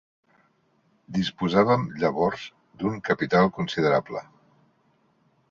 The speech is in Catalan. Disposàvem llavors d'un capital considerable.